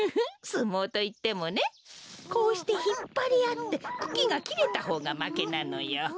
すもうといってもねこうしてひっぱりあってクキがきれたほうがまけなのよ。